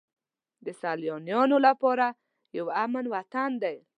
د سیلانیانو لپاره یو امن وطن دی.